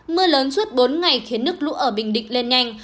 mưa lớn suốt bốn ngày khiến nước lũ ở bình định lên nhanh